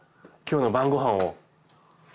今日の晩ご飯を。